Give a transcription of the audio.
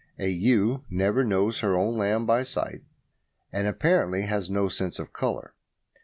A ewe never knows her own lamb by sight, and apparently has no sense of colour.